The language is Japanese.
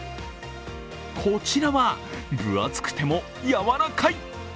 こちらは、分厚くてもやわらかい！